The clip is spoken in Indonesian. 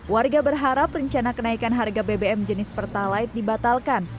warga berharap rencana kenaikan harga bbm jenis pertalite dibatalkan